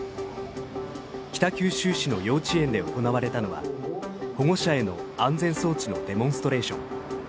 北九州市の幼稚園で行われたのは保護者への安全装置のデモンストレーション。